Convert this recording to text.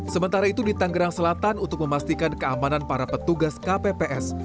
sementara itu di tanggerang selatan untuk memastikan keamanan para petugas kpps